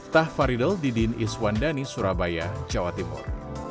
taht faridl didin iswandani surabaya jawa timur